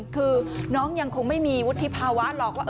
คือน้องยังคงไม่มีวุฒิภาวะหรอกว่า